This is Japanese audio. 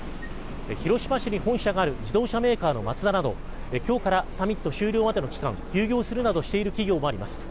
広島市に本社がある自動車メーカーのマツダなど今日からサミット終了までの期間休業するなどしている企業もあります。